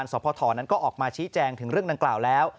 รายการสอบพอตรนั้นก็ออกมาชี้แจงถึงเรื่องดังกล่าวแล้ว